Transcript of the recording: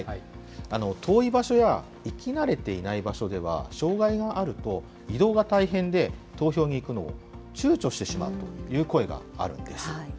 遠い場所や行き慣れていない場所では、障害があると移動が大変で、投票に行くのをちゅうちょしてしまうという声があるんです。